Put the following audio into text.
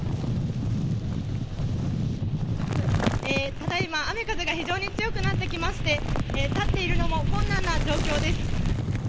ただ今、雨風が非常に強くなってきまして、立っているのも困難な状況です。